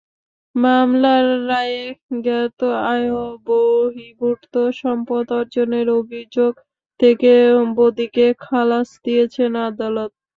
মামলার রায়ে জ্ঞাত আয়বহির্ভূত সম্পদ অর্জনের অভিযোগ থেকে বদিকে খালাস দিয়েছেন আদালত।